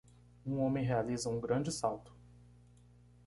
um homem realiza um grande salto.